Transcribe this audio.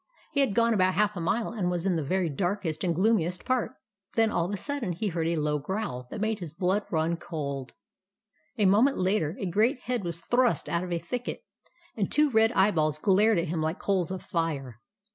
He had gone about half a mile, and was in the very darkest and gloomiest part, when all of a sudden he heard a low growl that made his blood run cold. A moment later, a great head was thrust out of a thicket, and two red eyeballs glared at him like coals of fire.